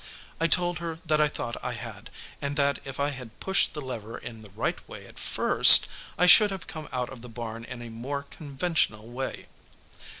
I told her that I thought I had, and that if I had pushed the lever in the right way at first, I should have come out of the barn in a more conventional way.